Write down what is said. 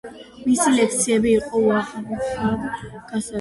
მისი ლექციები იყო უაღრესად გასაგები, საინტერესო და მიმზიდველი.